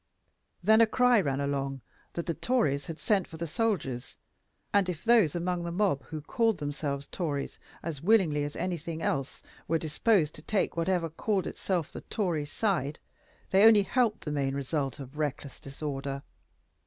Then a cry ran along that the Tories had sent for the soldiers, and if those among the mob who called themselves Tories as willingly as anything else were disposed to take whatever called itself the Tory side, they only helped the main result of reckless disorder.